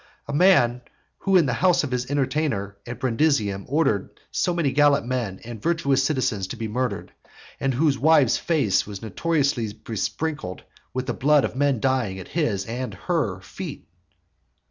A man who in the house of his entertainer at Brundusium ordered so many most gallant men and virtuous citizens to be murdered, and whose wife's face was notoriously besprinkled with the blood of men dying at his and her feet.